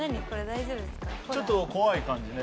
ちょっと怖い感じね。